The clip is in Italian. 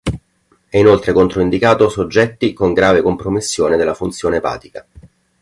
È inoltre controindicato soggetti con grave compromissione della funzione epatica.